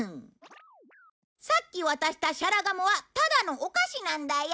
さっき渡したシャラガムはただのお菓子なんだよ。